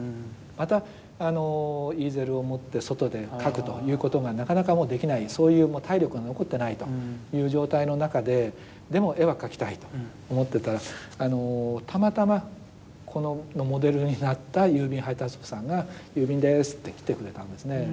またイーゼルを持って外で描くということがなかなかもうできないそういうもう体力が残ってないという状態の中ででも絵は描きたいと思ってたらたまたまこのモデルになった郵便配達夫さんが「郵便です」って来てくれたんですね。